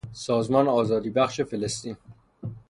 سازمان آزادیبخش فلسطین